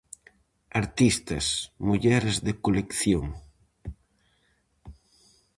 Artistas Mulleres de Colección.